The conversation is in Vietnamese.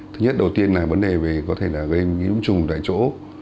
thứ nhất đầu tiên là vấn đề về có thể là gây nhiễm trùng tại chỗ